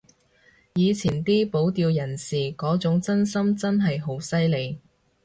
以前啲保釣人士嗰種真心真係好犀利